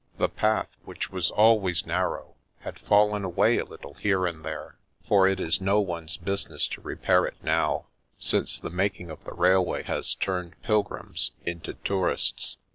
The path, which was always nar row, had fallen away a little here and there, for it is no one's business to repair it now, since the mak ing of the railway has turned pilgrims into tourists.